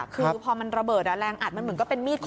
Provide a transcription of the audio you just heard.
คือพอมันระเบิดแรงอัดมันเหมือนก็เป็นมีดคอ